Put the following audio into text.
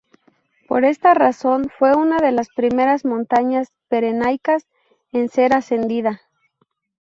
Por esta razón fue una de las primeras montañas pirenaicas en ser ascendida.